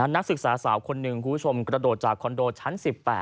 นักศึกษาสาวคนหนึ่งคุณผู้ชมกระโดดจากคอนโดชั้น๑๘